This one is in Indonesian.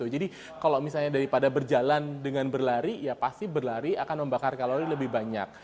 jadi kalau misalnya daripada berjalan dengan berlari ya pasti berlari akan membakar kalori lebih banyak